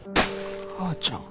母ちゃん？